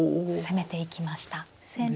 攻めていきました。